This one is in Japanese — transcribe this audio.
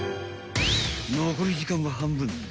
［残り時間は半分］